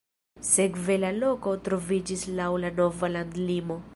Sekve la loko troviĝis laŭ la nova landlimo.